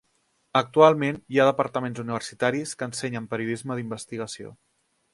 Actualment hi ha departaments universitaris que ensenyen periodisme d'investigació.